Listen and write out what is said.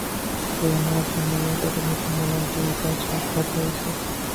এখানে এক সুন্দরী তরুণীর সঙ্গে আমার দু-বার সাক্ষাৎ হয়েছে।